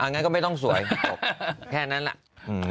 งั้นก็ไม่ต้องสวยจบแค่นั้นแหละ